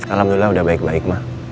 alhamdulillah udah baik baik mbak